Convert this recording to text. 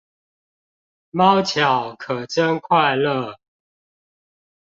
貓巧可真快樂